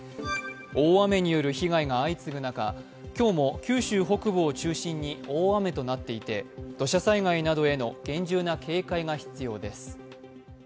大雨による被害が相次ぐ中、今日も九州北部を中心に大雨となっていて土砂災害などへの厳重な警戒が必要です。